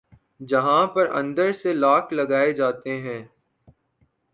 جہاں پر اندر سے لاک لگائے جاتے ہیں